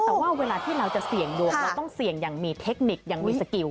แต่ว่าเวลาที่เราจะเสี่ยงดวงเราต้องเสี่ยงอย่างมีเทคนิคยังมีสกิล